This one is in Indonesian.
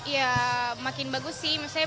ya makin bagus sih